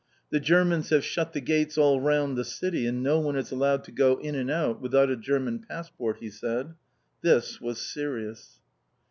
"The Germans have shut the gates all round the city and no one is allowed to go in and out without a German passport!" he said. This was serious.